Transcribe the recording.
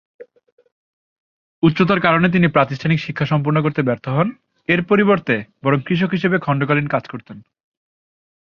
উচ্চতার কারণে তিনি প্রাতিষ্ঠানিক শিক্ষা সম্পূর্ণ করতে ব্যর্থ হন, এর পরিবর্তে বরং কৃষক হিসেবে খণ্ডকালীন কাজ করতেন।